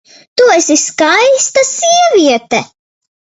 Tu esi Skaista Sieviete!